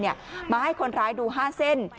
มาให้คนร้ายดู๕เส้น